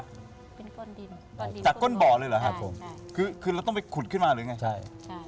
เป็นก้นดินจากก้นบ่อเลยหรือครับควรคือเราต้องไปขุดขึ้นมาหรือยังไงใช่